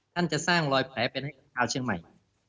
ท่านจะสร้างรอยแผลเป็นให้ชาวเชียงใหม่